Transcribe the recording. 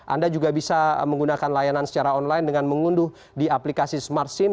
anda juga bisa menggunakan layanan secara online dengan mengunduh di aplikasi smart sim